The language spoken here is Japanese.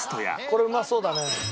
これうまそうだね。